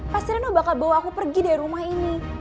pasti reno bakal bawa aku pergi dari rumah ini